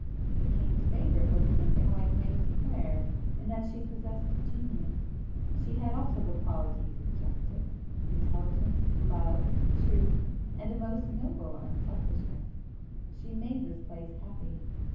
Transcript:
The king's favourite was something like Mavis Clare in that she possessed genius,—she had also the qualities of justice, intelligence, love, truth and a most noble unselfishness,—she made this place happy.